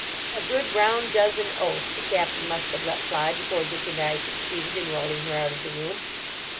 A good round dozen oaths the Captain must have let fly before Dick and I succeeded in rolling her out of the room.